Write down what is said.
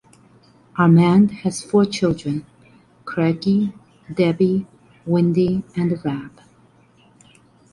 Armand has four children: Craigie, Debbie, Wendy, and Rab.